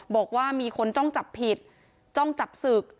บอกว่ามีคนจ้องจับผิดจ้องจับศึก